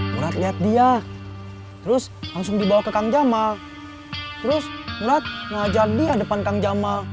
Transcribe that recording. murat lihat dia terus langsung dibawa ke kang jamal terus ngeliat ngajar dia depan kang jamal